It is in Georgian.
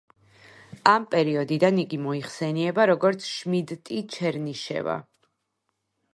ამ პერიოდიდან იგი მოიხსენიება როგორც შმიდტი-ჩერნიშევა.